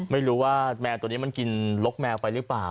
ไม่รู้ว่าแมวตัวนี้มันกินลกแมวไปหรือเปล่า